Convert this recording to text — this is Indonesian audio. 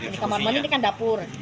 di kamar mandi ini kan dapur